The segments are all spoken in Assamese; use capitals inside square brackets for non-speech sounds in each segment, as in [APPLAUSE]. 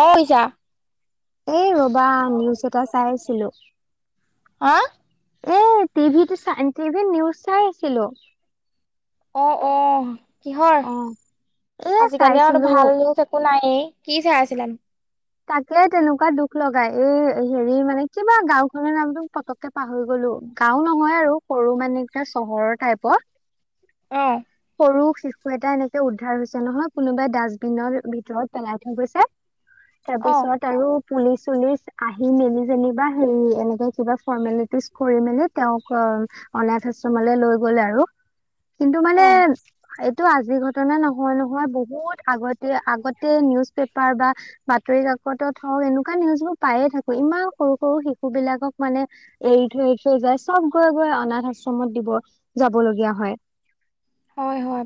অ, ইছা। এই ৰবা, নিউজ এটা চাই আছিলো। হা এ টিভিটো চাই টিভিত ইনক্লুচিভ নিউজ চাই আছিলো। অ- অ, কিহৰ অ'। এ আজিকালি আৰুতো চাইছিলো। ভাল নিউজ একো নায়েই কি চাই আছিলানো? তাকে তেনেকুৱা দুখ লগাই। এই হেৰি মানে কিবা গাঁওখনৰ নামটো পতক কে পাহৰি গলো। গাঁও নহয় আৰু, সৰু মানে কিবা চহৰৰ টাইপৰ অ [INAUDIBLE] সৰু শিশু এটা এনেকে উদ্ধাৰ হৈছে নহয়। কোনোবাই ডাষ্টবিনৰ ভিতৰত পেলাই থৈ গৈছে। তাৰ অ পিছত আৰু পুলিচ- চুলিচ আহি মেলি যেনিবা হেৰি, এনেকে কিবা ফৰ্মেলিটিজ কৰি মেলি, তেওঁক অ, অনাথ আশ্ৰমলৈ লৈ গলে আৰু। কিন্তু অ মানে এইটো আজিৰ ঘটনা নহয়, নহয়। বহুত আগতে- আগতে নিউজ পেপাৰ বা বাতৰি কাকতত হওক, এনেকুৱা নিউজবোৰ পায়ে থাকো। ইমান সৰু সৰু শিশু বিলাকক মানে এৰি থৈ, এৰি থৈ যায়। চব গৈ- গৈ অনাথ আশ্ৰমত দিব যাব লগীয়া হয়। হয়- হয়।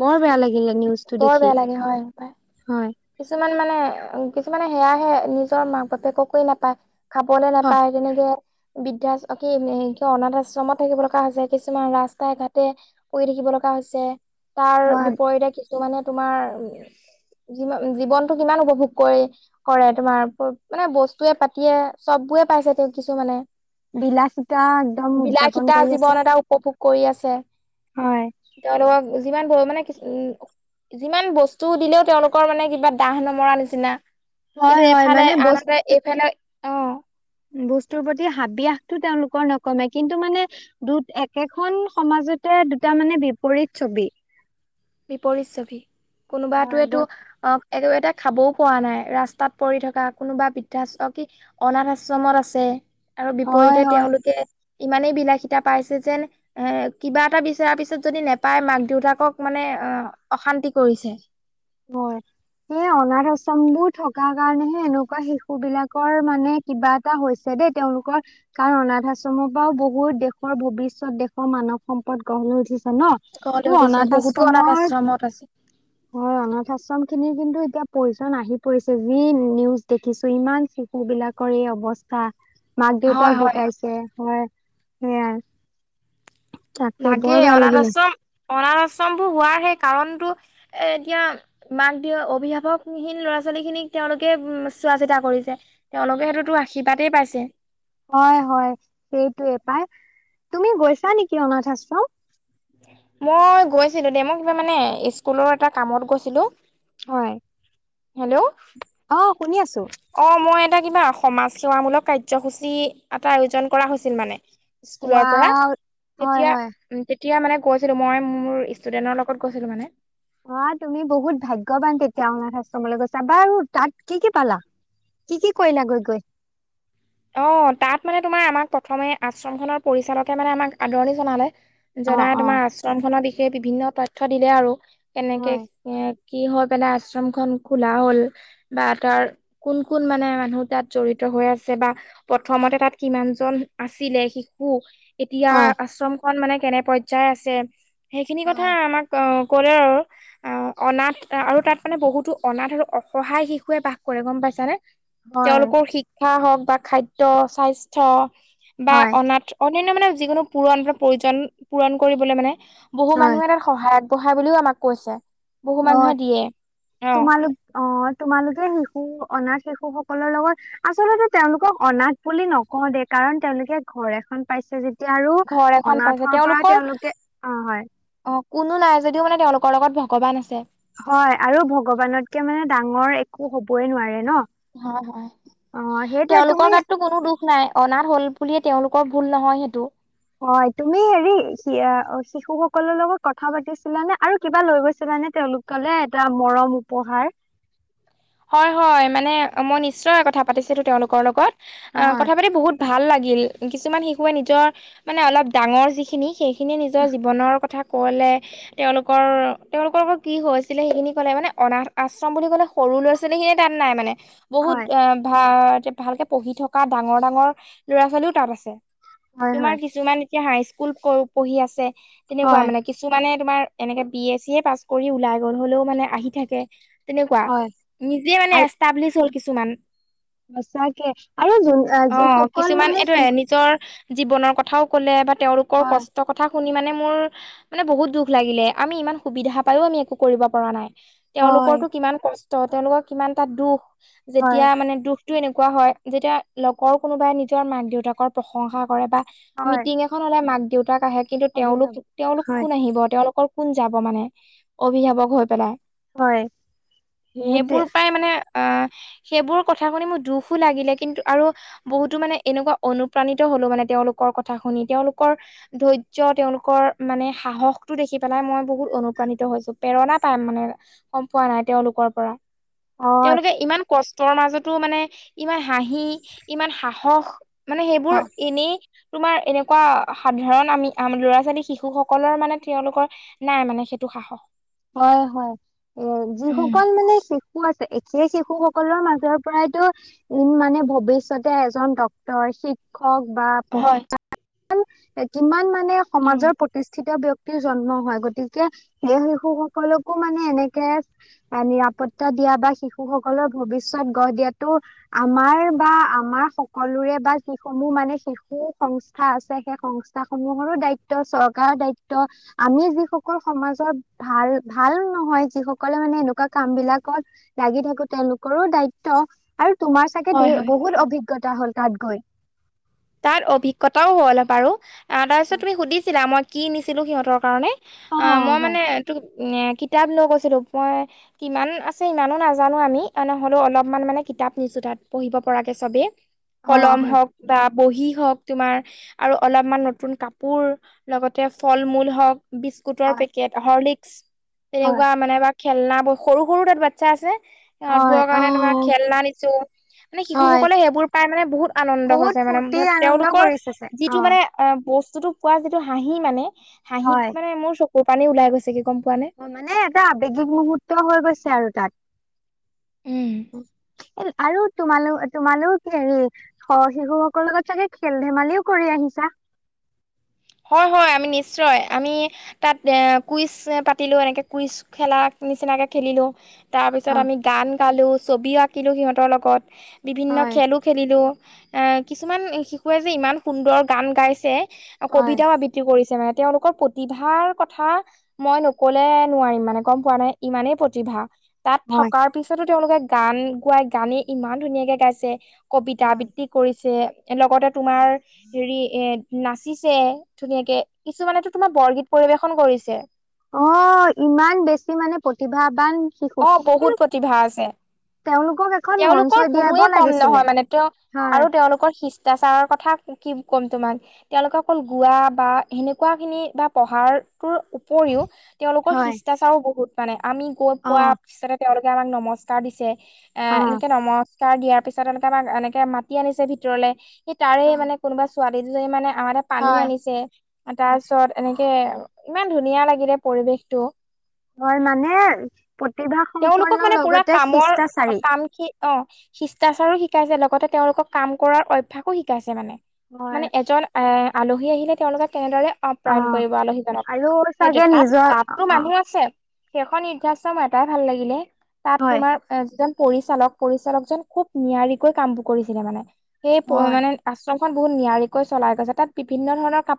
বৰ বেয়া লাগিলে নিউজটো বৰ দেখি। বেয়া লাগে হয় পাই হয়। কিছুমান মানে, কিছুমানে সেয়াহে নিজৰ মাক বাপেককে নাপায়। খাবলে হয় নাপায় তেনেকে। বৃদ্ধা অ, কি অনাথ আশ্ৰমত থাকিব লগা হৈছে, কিছুমান ৰাস্তাই ঘাটে পৰি থাকিব লগা হৈছে। তাৰ হয়, বিপৰীতে কিছুমানে তোমাৰ জী- জীৱনতটো কিমান উপভোগ কৰি কৰে তোমাৰ, মানে বস্তুৱে পাতিয়ে চব বোৰে পাইছে তেওঁ কিছুমানে। বিলাসীতা একদম, উদযাপন বিলাসিতা কৰি জীৱন আছে। এটা উপভোগ কৰি আছে। হয় তেওঁলোকক যিমান পৰিমানে, যিমান উম, যিমান বস্তু দিলেও তেওঁলোক লোকৰ মানে কিবা দাহ, নমৰা নিচিনা। হয় কিন্তু হয় এফালে মানে বস আনহাতে এইফালে, অ। বস্তুৰ প্ৰতি হাবিয়াসটো তেওঁলোকৰ নকমে। কিন্তু মানে দু, একেখন সমাজতে দুটা মানে বিপৰীত ছবি। বিপৰীত ছবি। হয় কোনোবাটোৱে ব তো, অ। একেবাৰতে খাবও পোৱা নাই। ৰাস্তাত পৰি থকা, কোনোবা বৃদ্ধাশ্ৰ অ, কি অনাথ আশ্ৰমত আছে। আৰু হয় বিপৰীতে হয় তেওঁলোকে ইমানেই বিলাসিতা পাইছে যেন, এ কিবা এটা বিচৰাৰ পিছত যদি নেপায়, মাক- দেউতাকক মানে অ, অশান্তি কৰিছে। হয়। সেই অনাথ আশ্ৰম বোৰ থকা কাৰণেহে এনেকুৱা শিশু বিলাকৰ মানে কিবা এটা হৈছে দেই তেওঁলোকৰ। কাৰণ অনাথ আশ্ৰমৰ পৰাও বহুত দেশৰ, ভৱিষ্যত দেশৰ মানৱ সম্পদ গঢ় লৈ উঠিছে ন। তোৰ অনাথ আশ্ৰমৰ মত আছে হয়, অনাথ আশ্ৰম খিনিৰ কিন্তু এতিয়া প্ৰয়োজন আহি পৰিছে। যি নিউজ দেখিছো, ইমান মানুহবিলাকৰ এই অৱস্থা। হয় মাক-দেউতাক হয় ঢুকাইছে হয়, সেইয়া লাগে বেয়া অনাথ লাগিলে। আশ্ৰম, অনাথ আশ্ৰমবোৰ হোৱাৰহে কাৰণতো এ, এতিয়া মাক-দেউ, অভিভাৱকহীন ল'ৰা-ছোৱালীখিনিক তেওঁলোকে উ, চোৱা-চিতা কৰিছে। তেওঁলোকে সেইটোতো আশীৰ্বাদেই পাইছে। হয়, হয়, সেইটোয়ে পাই। তুমি গৈছা নেকি অনাথ আশ্ৰম? মই গৈছিলো দেই। মই কিবা মানে স্কুলৰ এটা কামত গৈছিলো। হয়। হেল্ল'। অ', শুনি আছো। অ', মই এটা কিবা সমাজ সেৱামূলক কাৰ্যসূচী এটা আয়োজন কৰা হৈছিল মানে। স্কুলৰ পৰা ৱাও হয় তেতিয়া হয় উম, তেতিয়া মানে কৈছিলোঁ। মই মোৰ ষ্টুডেণ্টৰ লগত গৈছিলোঁ মানে। বা তুমি বহুত ভাগ্যৱান তেতিয়া অনাথ আশ্ৰমলৈ গৈছা। বাৰু তাত কি কি পালা? কি কি কৰিলা গৈ গৈ? অ', তাত মানে তোমাৰ আমাক প্ৰথমে আশ্ৰমখনৰ পৰিচালকে মানে আমাক আদৰণি জনালে। অ জনাই অ তোমাৰ আশ্ৰমখনৰ বিষয়ে বিভিন্ন তথ্য দিলে আৰু কেনেকে হয় এ কি হৈ পেলাই আশ্ৰম খন খোলা হ'ল বা তাৰ কোন-কোন মানে মানুহ তাত জৰিত হৈ আছে। বা প্ৰথমতে তাত কিমান জন আছিলে শিশু এতিয়া হয় আশ্ৰম খম মানে কেনে পৰ্যায় আছে, সেইখিনি কথা হয় আমাক অ', ক'লে আৰু। অ', অনাথ আৰু তাত মানে বহুতো অনাথ আৰু অসহায় শিশুৱে বাস কৰে। গম পাইছানে? হয় তেওঁলোকৰ শিক্ষা হওঁক বা খাদ্য-স্বাস্থ্য বা হয় অনাথ অন্যান্য মানে যিকোনো পূৰণ বা প্ৰয়োজন পূৰণ কৰিবলৈ মানে বহু হয় মানুহে এটা সহায় আগবঢ়াই বুলিও আমাক কৈছে। বহু মানুহে হয়। দিয়ে অ তোমালোক অ', তোমালোকে শিশু-অনাথ শিশুসকলৰ লগত আচলতে তেওঁলোকক অনাথ বুলি নকওঁ দেই কাৰণ তেওঁলোকে ঘৰ এখন পাইছে যেত যেতিয়া আৰু ঘৰ এখন পাইছে অনাথৰ পৰা তেওঁলোকৰ তেওঁলোকে, অ', হয়। অ কোনো নাই যদিও মানে তেওঁলোকৰ লগত ভগৱান আছে। হয়, আৰু ভগৱানতকে মানে ডাঙৰ একো হ'বই নোৱাৰে ন। হয়, হয়। অ সেইটোৱে তুমি তেওঁলোকৰ গাততো কোনো দুখ নাই। অনাথ হ'ল বুলিয়ে তেওঁলোকৰ ভুল নহয় সেইটো। হয়, তুমি হেৰি আ শিশুসকলৰ লগত কথা পাতিছিলানে? আৰু কিবা লৈ গৈছিলানে তেওঁলোক কলে এটা মৰম উপহাৰ? হয়, হয়। মানে মই নিশ্চয় কথা পাতিছিলো তেওঁলোকৰ লগত। অ', নহয়। কথা পাতি বহুত ভাল লাগিল। কিছুমান শিশুৱে নিজৰ মানে অলপ ডাঙৰ যিখিনি সেই খিনিয়ে নিজৰ জীৱনৰ কথা ক'লে। তেওঁলোকৰ, তেওঁলোকৰ লগত কি হৈছিলে সেইখিনি ক'লে, মানে অনাথ আশ্ৰম বুলি কলে সৰু ল'ৰা-ছো ছোৱীলীখিনিয়ে তাত নাই মানে বহুত হয়, অ', ভাল-ভালকে পঢ়ি থকা ডাঙৰ-ডাঙৰ ল'ৰা-ছোৱালীও তাত আছে। হয়, তোমাৰ হয়। কিছুমান এতিয়া হাইস্কুল প-পঢ়ি আছে, তেনেকুৱা হয়, মানে। কিছুমানে তোমাৰ এনেকে বি এ-চি এ পাছ কৰি ওলাই গ'ল হ'লেও মানে আহি থাকে তেনেকুৱা। হয়। নিজে মানে আৰু এষ্টাব্লিছ হ'ল কিছুমান। সঁচাকে আৰু যোন আ, অ', যিসকল কিছুমান মানে এইটোয়ে শিশু নিজৰ জীৱনৰ কথাও ক'লে বা, তেওঁলোকৰ হয়, কষ্ট কথাও কথা শুনি মানে, মোৰ মানে বহুত দুখ লাগিলে, আমি ইমান সুবিধা পাইও আমি একো কৰিব পৰা নাই। হয়, তেওঁলোকৰতো কিমান কষ্ট, তেওঁলোকৰ কিমানটা দুখ। হয়, যেতিয়া মানে দুখ টো এনেকুৱা হয়, যেতিয়া লগৰ কোনোবাই নিজৰ মাক-দেউতাকৰ প্ৰশংসা কৰে বা হয়, মিটিং লে মাক-দেউতাক আহে। কিন্তু তেওঁলোক, অভিভাৱক তেওঁলোকৰ হয়, কোন আহিব। তেওঁলোকৰ কোন যাব মানে, অভিভাৱক হৈ পেলাই। হয়। সেইটোৱে সেইবোৰ প্ৰায় মানে অ', সেইবোৰ কথা শুনি মোৰ দুখো লাগিলে, কিন্তু আৰু বহুতো মানে এনেকুৱা অনুপ্ৰাণিত হলোঁ, মানে তেওঁলোকৰ কথা শুনি। তেওঁলোকৰ ধৈৰ্য, তেওঁলোকৰ মানে সাহসটো দেখি পেলাই মই বহুত অনুপ্ৰাণিত হৈছোঁ। প্ৰেৰণা পাম মানে গম পোৱা নাই, তেওঁলোকৰ পৰা। হয়। তেওঁলোকে ইমান কষ্টৰ মাজতো মানে ইমান হাঁহি, ইমান সাহস, মানে সেইবোৰ অ'। এনেই তোমাৰ, এনেকুৱা সাধাৰণ আমি ল'ৰা-ছোৱালী, শিশুসকলৰ মানে তেওঁলোকৰ নাই মানে সেইটো সাহস। হয় হয় এ, উম যিসকল মানে শিশু শিশু আছে, সেই শিশুসকলৰ মাজৰ পৰাইতো উম্, মানে ভৱিষ্যতে এজন ডক্তৰ, শিক্ষক বা [INAUDIBLE] এ কিমান মানে উম সমাজৰ প্ৰতিষ্ঠিত ব্যক্তিৰ জন্ম হয়, গতিকে সেই শিশুসকলকো মানে এনেকে নিৰাপত্তা দিয়া বা শিশুসকলৰ ভৱিষ্যত গঢ় দিয়াতো, আমাৰ বা আমাৰ সকলোৰে বা যিসমূহ মানে শিশু সং সংস্থা আছে, সেই সংস্থা সমূহৰো দায়িত্ব, চৰকাৰৰ দায়িত্ব। আমি যিসকল সমাজৰ ভাল, ভাল নহয়। যি সকলে মানে এনেকুৱা কাম বিলাকত লাগি থাকো। তেওঁলোকৰো দায়িত্ব। অ', আৰু তোমাৰ চাগে হয় হয় বহুত অভিজ্ঞতা হ'ল তাত গৈ। তাত অভিজ্ঞতাও হ'ল বাৰু। তাৰপিছত তুমি সুধিছিলা, মই কি নিছিলোঁ সিহঁতৰ কাৰণে। অ', মই মানে তোক এই কিতাপ লৈ গৈছিলোঁ মই। কিমান আছে, ইমানো নাজানোঁ আমি। অইন নহ'লেও অলপমান মানে কিতাপ নিছোঁ তাত, পঢ়িব পৰাকে চবেই। অ কলম হয় হওঁক বা বহি হওঁক, তোমাৰ আৰু অলপমান নতুন কাপোৰ, লগতে ফল মূল হওঁক বিস্কুটৰ হয় পেকেট, হৰ্লিক্স হয়, তেনেকুৱা মানে। বাক খেলনা বা সৰু সৰু তাত বাচ্ছা আছে। হয়, সিহঁতবোৰৰ কাৰণে তোমাৰ অ', খেলনা নিছোঁ, মানে শিশু হয়, সকলে সেইবোৰ পাই মানে বহুত আনন্দ হৈছে। বহুত মানে ফূৰ্তি আনন্দ তেওঁলোকৰ কৰিছেছে যিটো মানে অ', বস্তুতো পোৱা যিটো হাঁহি মানে, হাঁহিত হয়, মানে মোৰ চকুৰ পানী ওলাই গৈছেগৈ। গম পোৱানে! মানে এটা আৱেগিক মুহূৰ্ত হৈ গৈছে আৰু তাত। উম এ আৰু তোমালোক, তোমালোকে হেৰি শিশুসকলৰ লগত চাগে খেল-ধেমালিও কৰি আহিছাঁ! হয় হয়, আমি নিশ্চয়। আমি তাত এ কুইজ পাতিলোঁ, এনেকে কুইজ খেলা নিচিনাকে খেলিলোঁ। তাৰপিছত অ', আমি গান গালোঁ, ছবিও আঁকিলো। সিহঁতৰ লগত বিভিন্ন হয়, খেলো খেলিলোঁ। এ কিছুমান শিশুৱে যে ইমান সুন্দৰ গান গাইছে, হয়, কবিতাও আবৃত্তি আবৃত্তি কৰিছে মানে, তেওঁলোকৰ প্ৰতিভাৰ কথা মই নকলে নোৱাৰিম মানে, গম পোৱানে! ইমানেই প্ৰতিভা। তাত হয়, থকাৰ পিছতো তেওঁলোকে গান, গোৱাই গানেই, ইমান ধুনীয়াকে গাইছে, কবিতা হয়। আবৃত্তি কৰিছে লগতে, তোমাৰ হেৰি এই, নাচ নাচিছে, ধুনীয়াকে কিছুমানেতো তোমাৰ বৰগীত পৰিবেশন কৰিছে। অ, ইমান বেছি মানে প্ৰতিভাবান। শিশু অ, বহুত প্ৰতিভা আছে। তেওঁলোকক এখন মঞ্চ তেওঁলোকৰ দিয়াব কোনোৱে কম লাগিছিলে নহয় মানে, তেওঁ হয়, আৰু তেওঁলোকৰ সি খিষ্টাছাৰৰ কথা কি ক'ম তোমাক? তেওঁলোকে অকল গোৱা বা সেনেকুৱা খিনি বা পঢ়াৰটোৰ উপৰিও তেওঁলোকৰ হয়, শিষ্টাচাৰো বহুত মানে, আমি গৈ পোৱা অ', পিছতে তেওঁলোকে আমাক নমস্কাৰ দিছে, এ অ', এনেকে নমস্কাৰ দিয়াৰ তাৰ পিছত এনেকে আমাক এনেকে মাতি আনিছে ভিতৰলে, সি তাৰে অ মানে কোনোবা ছোৱালী দুজনী মানে আমাৰ তাত পানী হয়। আনিছে, তাৰ পিছত এনেকে, ইমান ধুনীয়া লাগিলে পৰিৱেশটো। হয় মানে, তেওঁলোকক প্ৰতিভাসম্পন্ন মানে পুৰা লগতে কামৰ খিষ্টাচাৰি। কাম কি অ, শিষ্টাচাৰো শিকাইছে লগতে তেওঁলোকক কাম কৰাৰ অভ্যাসো শিকাইছে মানে। হয় মানে এজন এ, আলহী আহিলে তেওঁলোকক কেনেদৰে অপ্ৰায়ন অ', কৰিব আলহীজনক, আৰু সেইটোৱে চাগে তাত, নিজৰ অ', তাতো অ', মানুহ আছে সেইখন [INAUDIBLE] এটাই ভাল লাগিলে তাত হয়। তোমাৰ এ, যিজন পৰিচালক পৰিচালকজন, খুব নিয়াৰিকৈ কামবোৰ কৰিছিলে মানে, সেই হয়। মানে আশ্ৰমখন বহুত নিয়াৰিকৈ চলাই গৈছে, তাত বিভিন্ন ধৰণৰ কাম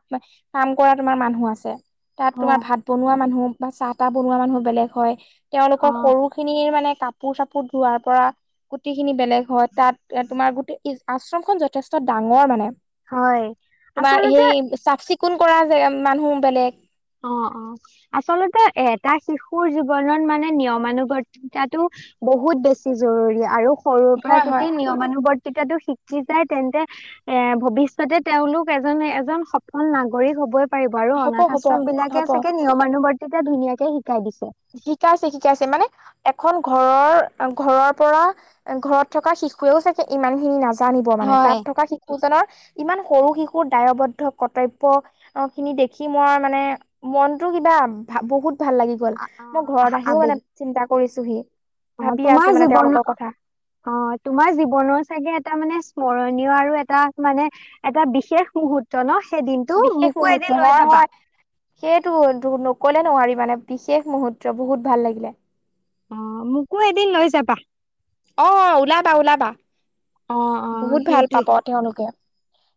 কাম কৰা তোমাৰ মানুহ আছে। তাত তোমাৰ অ', ভাত বনোৱা মানুহ বা চাহ তাহ বনোৱা মানুহ বেলেগ হয়। তেওঁলোকৰ অ', সৰুখিনিৰ মানে কাপোৰ-চাপোৰ ধোৱাৰ কৰা গুটি-খিনি বেলেগ হয়, তাত তোমাৰ গোটেই আশ্ৰমখন যথেষ্ট ডাঙৰ মানে। হয় তোমাৰ আচলতে সেই চাফ-চিকুণ কৰা যেগা, মানুহ বেলেগ। অ, অ, আচলতে এটা শিশুৰ জীৱনত মানে, নিয়মানুৱৰ্তিতাতো বহুত বেছি জৰুৰী আৰু সৰুৰ পৰা হয় হয় যদি নিয়মানুবৰ্তিতাটো শিক শিকায় তেন্তে এ, ভৱিষ্যতে তেওঁলোক এজন, এজন সফল নাগৰিক হবই পাৰিব আৰু হ'ব অনাথ হ'ব আশ্ৰম বিলাকে হ'ব চাগে নিয়মানুবৰ্তিতা ধুনীয়াকে শিকাই দিছে। শিকাইছে, শিকাইছে মানে এখন ঘৰৰ-ঘৰৰ পৰা ঘৰত থকা শিশুৱেও চাগে ইমান খিনি নাজা জানিব মানে তাত হয়। থকা শিশুজনৰ, ইমান সৰু শিশুৰ দায়বদ্ধ কৰ্তব্য অ, খিনি দেখি মই মানে, মনতো কিবা ভা, বহুত ভাল লাগি। গল মই অ', ঘৰত আহিও মানে আবেগ চিন্তা কৰিছোহি, অ', ভাবি তোমাৰ আছো মানে জীৱনত তেওঁলোকৰ কথা। অ, তোমাৰ জীৱনৰ চাগে এটা মানে স্মৰণীয় আৰু এটা মানে এটা বিশেষ মুহূৰ্ত ন, সেই দিনটো, বিশেষ মোকো মুহুৰ্ত এদিন লৈ হয় যাবা। হয় সেইটো নকলে নোৱাৰি মানে, বিশেষ মুহূৰ্ত বহুত ভাল লাগিলে। অ, মোকোএদিন লৈ যাবা। অ, অ, ওলাবা ওলাবা। অ অ বহুত ভাল সেইটোৱে পাব তেওঁলোকে,,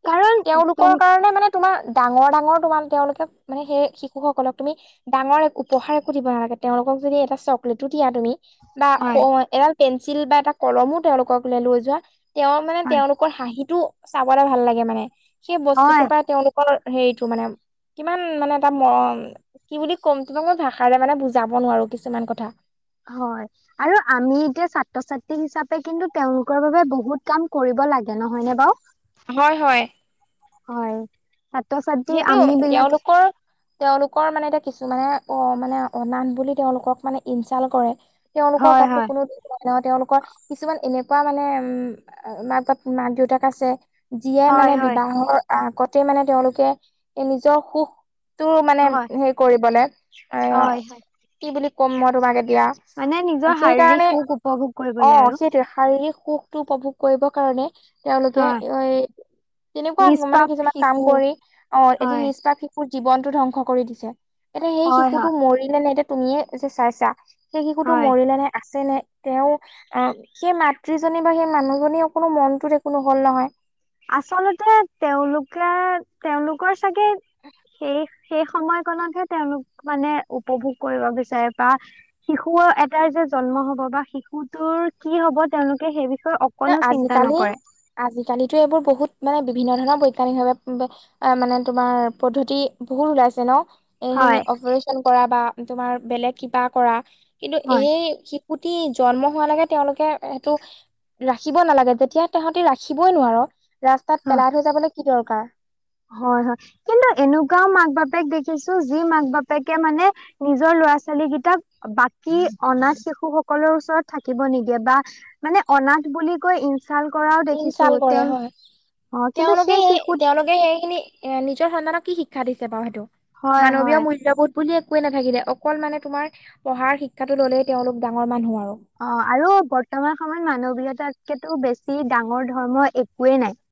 কাৰণ তুম তেওঁলোকৰ কাৰণে মানে তোমাৰ ডাঙৰ, ডাঙৰ তোমাৰ তেওঁলোকে মানে সেই শিশুসকলক তুমি ডাঙৰ এক উপহাৰ একো দিব নালাগে, তেওঁলোকক যদি এটা চকলেটো দিয়া তুমি। বা হয় এডাল পেঞ্চিল বা এটা কলমো তেওঁলোকক লৈ যোৱা তেওঁ মানে হয় তেওঁলোকৰ হাঁহিটো চাবলে ভাল লাগে মানে, সেই হয়। বস্তুটোৰ পৰা তেওঁলোক হেৰিটো মানে, কিমান মানে এটা মৰম। কি বুলি ক'ম, তোমাক মই ভাষাৰে মানে বুজাব নোৱাৰোঁ, কিছুমান কথা। হয়। আৰু আমি এতিয়া ছাত্ৰ -ছাত্ৰী হিচাপে কিন্তু তেওঁওলোকৰ বাবে বহুত কাম কৰিব লাগে। নহয়নে বাৰু? হয়, হয়। হয় ছাত্ৰ সেইটো -ছাত্ৰীক আমি বিলাকে তেওঁলোকৰ তেওঁলোকৰ মানে এতিয়া কিছুমানে অ' মানে অনাথ বুলি তেওঁলোকক মানে ইনচাল্ কৰে। তেওঁলোকৰ হয় গাততো হয় [UNINTELLIGIBLE] কোনো তেওঁলোকৰ কিছুমান এনেকুৱা মানে উ', মাক -বাপ, মাক -দেউতাক আছে যিয়ে হয় মানে হয় বিবাহৰ আগতে মানে তেওঁলোকে নিজৰ সুখ তোৰ মানে হয় হেৰি কৰিবলৈ এ' হয় হয় কি বুলি ক'ম মই তোমাক এতিয়া! মানে নিজৰ শাৰীৰিক সেইকাৰণে সুখ উপভোগ কৰিবলৈ অ' আৰু সেইটোৱেই শাৰীৰিক সুখ [UNINTELLIGIBLE] উপভোগ কৰিবৰ কাৰণে তেওঁলোকে হয় এ' তেনেকুৱা মানে নিষ্পাপ কিছুমান কাম শিশু কৰি অ' এটি হয় নিষ্পাপ শিশুৰ জীৱনটো ধ্বংস কৰি দিছে। এতিয়া সেই হয় শিশুটো হয় মৰিলে নে এতিয়া তুমিয়ে যে চাইছা সেই শিশুটো হয় মৰিলেনে আছে নে তেওঁ অ' সেই মাতৃজনী বা সেই মানুহজনী অকণো মনটোত একো হ'ল নহয়, আচলতে তেওঁলোকে তেওঁলোকৰ চাগে সেই সেই সময়কনতহে তেওঁলোক মানে উপভোগ কৰিব বিচাৰে বা শিশুও এটাৰ যে জন্ম হ'ব বা শিশুটোৰ কি হ'ব তেওঁলোকে সেই বিষয়ে অক আজিকালি আজিকালিতো এইবোৰ বহুত মানে বিভিন্ন ধৰণৰ বৈজ্ঞানিকভাৱে আহ, মানে তোমাৰ পদ্ধতি বহুত ওলাইছে ন হয় এইখিনি অপাৰেচন কৰা বা তোমাৰ বেলেগ কিবা কৰা কিন্তু হয় এই সি শুটি [INAUDIBLE] জন্ম হোৱা লাগে তেওঁলোকে সেইটো। ৰাখিব নালাগে যেতিয়া তহঁতি ৰাখিবই নোৱাৰো ৰাস্তাত অ পেলাই থৈ যাবলৈ কি দৰকাৰ হয়, হয়, কিন্তু এনেকোৱাও মাক -বাপেক দেখিছো যি মাক -বাপেকে মানে নিজৰ ল'ৰা -ছোৱালী কেইটাক বাকী অনাথ শিশু সকলৰ ওচৰত থাকিব নিদিয়ে বা মানে অনাথ বুলি কৈ ইন ইনচাল্ট কৰাও দেখিছোঁ ইনচাল কৰে হয় তেওঁৰ কিন্তু সেই শিশুত মানে সেইখিনি এ নিজৰ সন্তানক কি শিক্ষা দিছে? বাৰু সেইটো হয় মানৱীয় হয় মূল্যবোধ। বুলি একোৱে নাথাকিলে অকল মানে তোমাৰ পঢ়াৰ শিক্ষাটো ল'লেই তেওঁলোক ডাঙৰ মানুহ আৰু অ' আৰু বৰ্তমান সময়ত মানৱীয়তাতকেতো বেছি ডাঙৰ ধৰ্ম একোৱেই নাই।